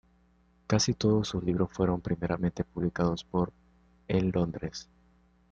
Casi todos sus libros fueron primeramente publicados por en Londres.